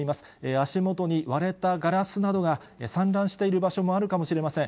足元に割れたガラスなどが散乱している場所もあるかもしれません。